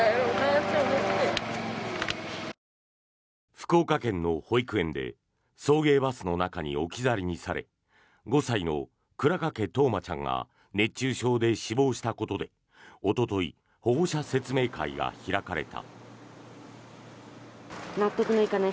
福岡県の保育園で送迎バスの中に置き去りにされ５歳の倉掛冬生ちゃんが熱中症で死亡したことでおととい保護者説明会が開かれた。